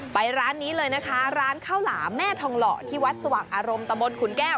ร้านนี้เลยนะคะร้านข้าวหลามแม่ทองหล่อที่วัดสว่างอารมณ์ตะบนขุนแก้ว